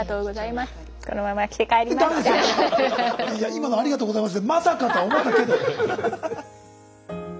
今の「ありがとうございます」でまさかとは思ったけど。